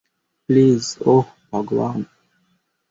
Please, ওহ ভগবান!